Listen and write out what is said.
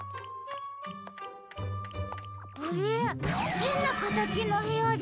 へんなかたちのへやですね。